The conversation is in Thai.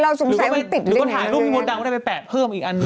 หรือถ้าถ่ายรูปพิมพ์ดังได้ไปแปะเพิ่มอีกอันนึง